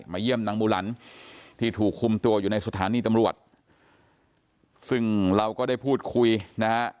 เยี่ยมนางบูหลันที่ถูกคุมตัวอยู่ในสถานีตำรวจซึ่งเราก็ได้พูดคุยนะฮะ